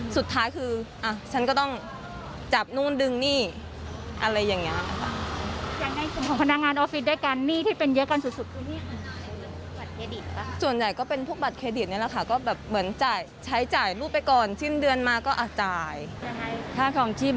สุดท้ายคืออาฉันก็ต้อง